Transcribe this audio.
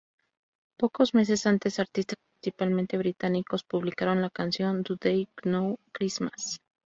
Pocos meses antes, artistas principalmente británicos, publicaron la canción "Do They Know It's Christmas?